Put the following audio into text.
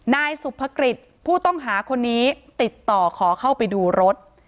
นายสุภกฤษผู้ต้องหาคนนี้ติดต่อขอเข้าไปดูรถ